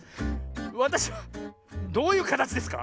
わたしはどういうかたちですか？